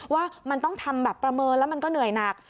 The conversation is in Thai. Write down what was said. ว่ามันต้องทำแบบประเมินแล้วมันก็เหนื่อยหนัก